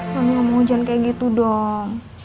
mami gak mau hujan kayak gitu dong